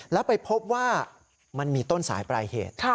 แล้วไปพบว่ามันมีต้นสายปลายเหตุ